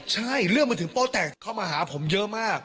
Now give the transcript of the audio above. ใช่เรียกมาถึงโป๊ะแจกเข้ามาหาผมเยอะมาก